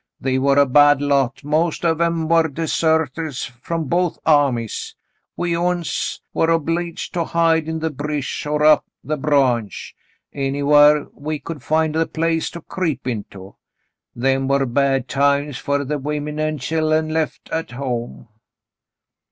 They were a bad lot — most of 'em war desertahs from both ahmies. We uns war obleeged to hide in the bresh or up the branch — anywhar we could find a place to creep into. Them were bad times fer the women an' chillen left at home.